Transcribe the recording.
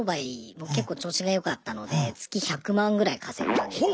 僕結構調子がよかったので月１００万ぐらい稼いでたんですよ。